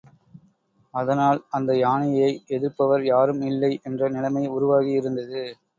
அதனால் அந்த யானையை எதிர்ப்பவர் யாரும் இல்லை என்ற நிலைமை உருவாகி இருந்தது.